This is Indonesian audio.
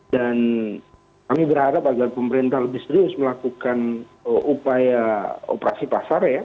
dan kami berharap agar pemerintah lebih serius melakukan upaya operasi pasar ya